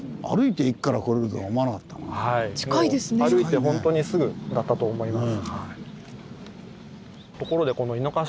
もう歩いてほんとにすぐだったと思います。